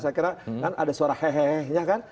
saya kira kan ada suara hehehe ya kan